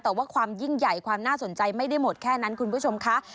แต่ว่าความยิ่งใหญ่ความน่าสนใจไม่ได้หมดแค่นั้นคุณผู้ชมค่ะ